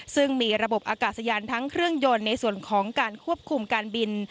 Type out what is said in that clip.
ซึ่งมีระบบอากาศยานทั้งเครื่องยนต์ในส่วนของการควบคุมการบิน